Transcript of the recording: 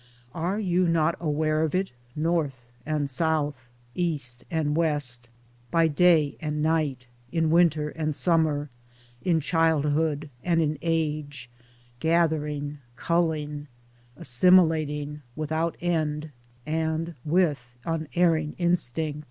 Are you not aware of it North and South, East and West, by day and night, in winter and summer, in childhood and in age, gathering, culling, assimilating, without end, and with unerring instinct?